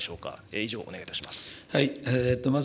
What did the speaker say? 以上、お願いいたします。